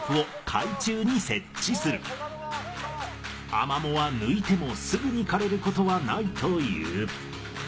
アマモは抜いてもすぐに枯れることはないという。